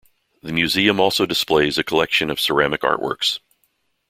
The museum also displays a collection of ceramic artworks.